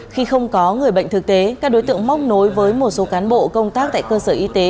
khi không có người bệnh thực tế các đối tượng móc nối với một số cán bộ công tác tại cơ sở y tế